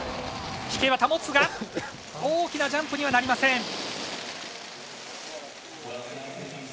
飛型は保つが、大きなジャンプにはなりません。